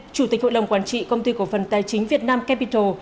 chủ tịch hội đồng quản trị công ty cổ phần tài chính việt nam capital